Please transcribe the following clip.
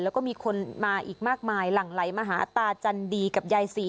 แล้วก็มีคนมาอีกมากมายหลั่งไหลมาหาตาจันดีกับยายศรี